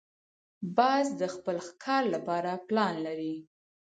باز د خپل ښکار لپاره پلان لري